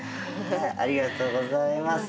ありがとうございます。